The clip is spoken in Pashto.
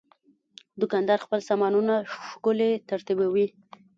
دوکاندار خپل سامانونه ښکلي ترتیبوي.